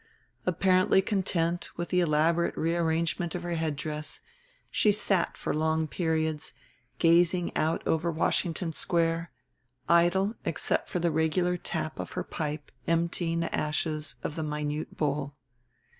Apparently content with the elaborate rearrangement of her headdress, she sat for long periods, gazing out over Washington Square, idle except for the regular tap of her pipe emptying the ashes of the minute bowl.